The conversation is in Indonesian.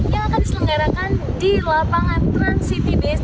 yang akan diselenggarakan di lapangan trans city base